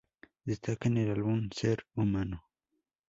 Destaca en el álbum Ser Humano!!